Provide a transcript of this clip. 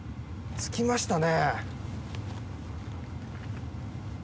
着きましたね。